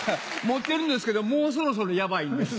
持ってるんですけどもうそろそろヤバいんです。